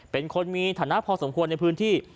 เป็นคนมีฐานะพอสมควรในพื้นที่